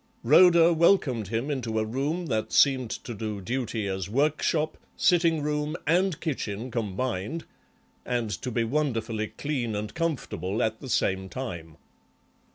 Rhoda welcomed him into a room that seemed to do duty as workshop, sitting room, and kitchen combined, and to be wonderfully clean and comfortable at the same time.